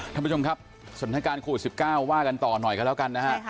ท่านผู้ชมครับสถานการณ์โควิด๑๙ว่ากันต่อหน่อยกันแล้วกันนะฮะ